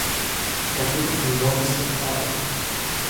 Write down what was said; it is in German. Er wurde von Lovis et al.